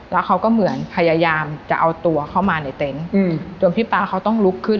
แล้วเขาก็เหมือนพยายามจะเอาตัวเข้ามาในเต็นต์จนพี่ป๊าเขาต้องลุกขึ้น